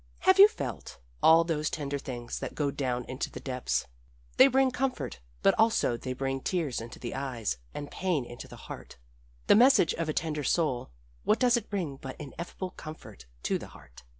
Have you felt all those tender things that go down into the depths? They bring comfort, but also they bring tears into the eyes and pain into the heart. The message of a tender soul what does it bring but ineffable comfort to the heart?